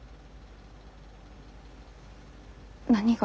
何が？